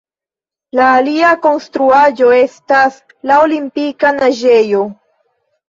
La alia konstruaĵo estas la Olimpika naĝejo.